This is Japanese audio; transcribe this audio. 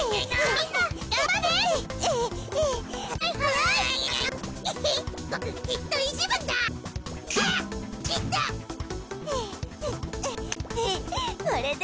みんな頑張って！